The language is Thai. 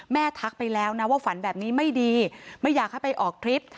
ทักไปแล้วนะว่าฝันแบบนี้ไม่ดีไม่อยากให้ไปออกทริป